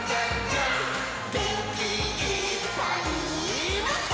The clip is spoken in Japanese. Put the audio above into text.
「げんきいっぱいもっと」